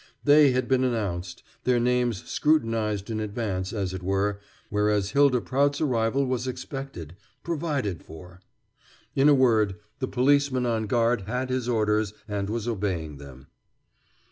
They had been announced, their names scrutinized in advance, as it were, whereas Hylda Prout's arrival was expected, provided for; in a word, the policeman on guard had his orders and was obeying them.